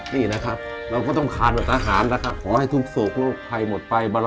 นี่นะครับเราก็ต้องคานแบบทหารนะครับขอให้ทุกโศกโรคภัยหมดไป